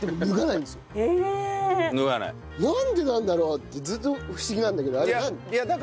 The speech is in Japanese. なんでなんだろう？ってずっと不思議なんだけどあれ何？